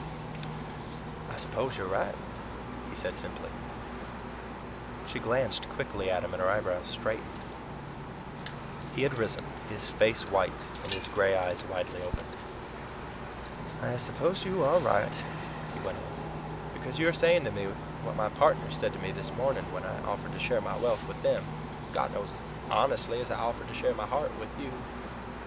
"I suppose you are right," he said simply. She glanced quickly at him, and her eyebrows straightened. He had risen, his face white and his gray eyes widely opened. "I suppose you are right," he went on, "because you are saying to me what my partners said to me this morning, when I offered to share my wealth with them, God knows as honestly as I offered to share my heart with you.